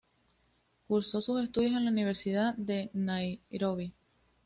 Cursó sus estudios en la Universidad de Nairobi.